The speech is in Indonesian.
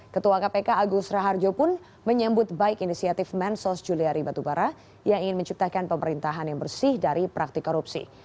ketua kpk agus raharjo pun menyambut baik inisiatif mensos juliari batubara yang ingin menciptakan pemerintahan yang bersih dari praktik korupsi